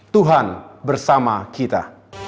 tuhan bersama kita